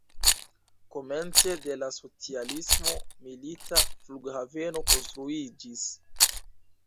Komence de la socialismo milita flughaveno konstruiĝis.